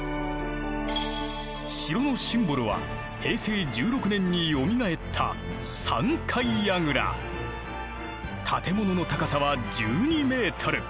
城のシンボルは平成１６年によみがえった建物の高さは１２メートル。